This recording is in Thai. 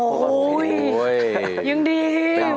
โอ้โฮยังดีหวัดเซียว